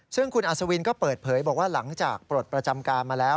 ซึ่งคุณอัศวินก็เปิดเผยบอกว่าหลังจากปลดประจำการมาแล้ว